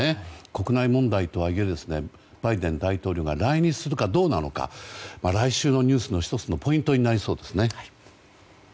国内問題とはいえバイデン大統領が来日するのかどうなのかは来週のニュースの１つのポイントになりそうですね。